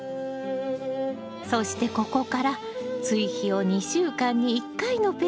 そしてここから追肥を２週間に１回のペースで始めるのよ。